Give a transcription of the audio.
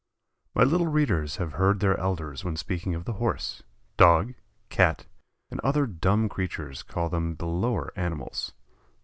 My little readers have heard their elders when speaking of the Horse, Dog, Cat, and other dumb creatures call them the "lower" animals.